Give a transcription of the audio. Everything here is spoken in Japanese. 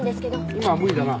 今は無理だな。